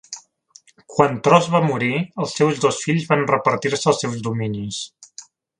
Quan Tros va morir, els seus dos fills van repartir-se els seus dominis.